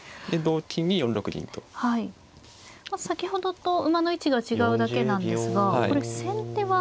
先ほどと馬の位置が違うだけなんですがこれ先手は。